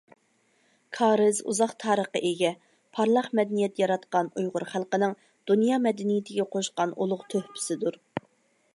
كارىز ئۇزاق تارىخقا ئىگە، پارلاق مەدەنىيەت ياراتقان ئۇيغۇر خەلقىنىڭ دۇنيا مەدەنىيىتىگە قوشقان ئۇلۇغ تۆھپىسىدۇر.